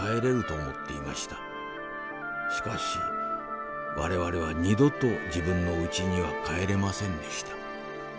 しかし我々は二度と自分のうちには帰れませんでした。